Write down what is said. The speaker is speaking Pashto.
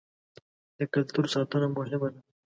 د کلتور ساتنه مهمه ده.